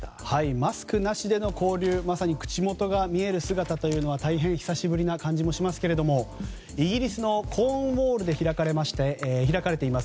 マスクなしでの交流口元が見える姿というのは大変久しぶりな感じもしますけれどもイギリスのコーンウォールで開かれています